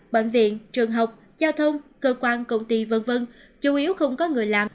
bệnh viện trường học giao thông cơ quan công ty v v chủ yếu không có người làm